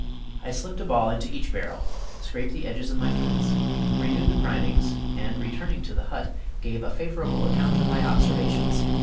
I slipped a ball into each barrel, scraped the edges of my flints, renewed the primings, and returning to the hut, gave a favorable account of my observations.